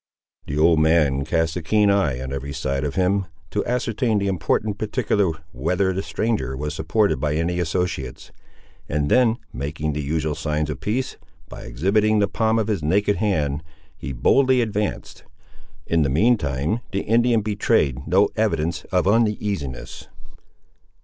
The old man cast a keen eye on every side of him, to ascertain the important particular whether the stranger was supported by any associates, and then making the usual signs of peace, by exhibiting the palm of his naked hand, he boldly advanced. In the mean time, the Indian betrayed no evidence of uneasiness.